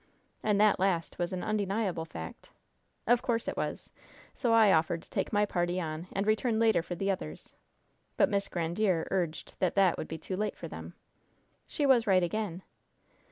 "And that last was an undeniable fact." "Of course it was! So I offered to take my party on and return later for the others. But Miss Grandiere urged that that would be too late for them." "She was right again."